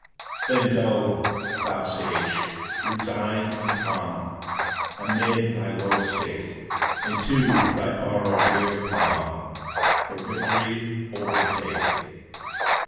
Then go, thou sage, resigned and calm; Amid thy low estate, And to thy burrow bear the palm For victory over fate.